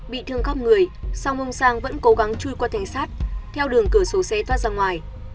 bị thương khắp người song ông sang vẫn cố gắng chui qua thanh sát theo đường cửa sổ xe thoát ra ngoài